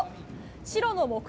白の目標